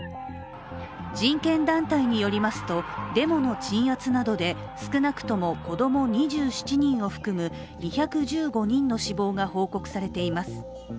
人権団体によりますとデモの鎮圧などで少なくとも子供２７人を含む２１５人の死亡が報告されています。